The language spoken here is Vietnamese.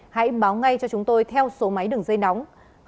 hãy báo ngay cho chúng tôi theo số máy đường dây nóng